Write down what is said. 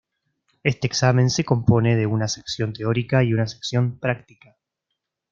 Este examen se compone de una sección teórica y una sección práctica.